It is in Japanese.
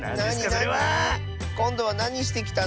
それは⁉こんどはなにしてきたの？